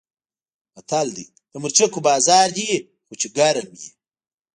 متل دی: د مرچکو بازار دې وي خو چې ګرم وي.